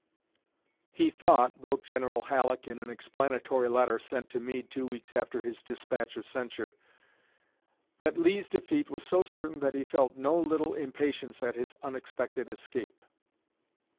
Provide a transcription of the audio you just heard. [J] "He thought," wrote General Halleck in an explanatory letter sent to Meade two weeks after his despatch of censure, "that Lee's defeat was so certain that he felt no little impatience at his unexpected escape."